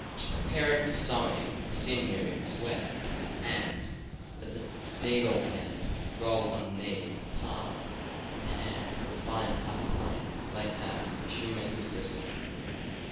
To prepare it for sewing, the sinew is wet, and, at the needle end, rolled on the knee with the palm of the hand to a fine, hard point, like that of a shoemaker's bristle.